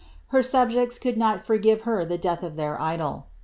Iler subjects could not forgive hertbt death of their idol.